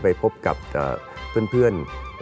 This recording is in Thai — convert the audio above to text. มีคนเดียว